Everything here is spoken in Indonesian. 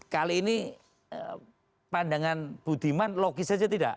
kali ini pandangan bu diman logis saja tidak